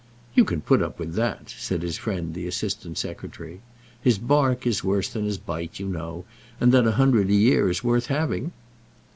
"You can put up with that," said his friend the Assistant Secretary. "His bark is worse than his bite, as you know; and then a hundred a year is worth having."